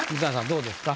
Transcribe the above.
どうですか？